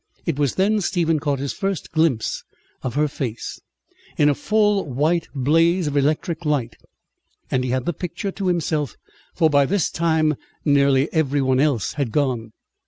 It was then Stephen caught his first glimpse of her face, in a full white blaze of electric light: and he had the picture to himself, for by this time nearly every one else had gone.